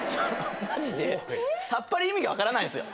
マジでさっぱり意味がわからないんですよ。